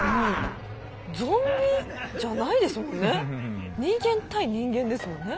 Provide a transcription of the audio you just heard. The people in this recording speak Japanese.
ゾンビじゃないですもんね人間対人間ですもんね。